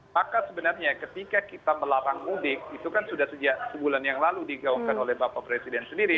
maka sebenarnya ketika kita melarang mudik itu kan sudah sejak sebulan yang lalu digaungkan oleh bapak presiden sendiri